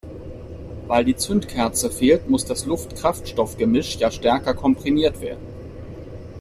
Weil die Zündkerze fehlt, muss das Luft-Kraftstoff-Gemisch ja stärker komprimiert werden.